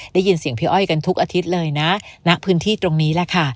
ได้ยินเสียงพี่อ้อยกันทุกอาทิตย์เลยนะณพื้นที่ตรงนี้แหละค่ะ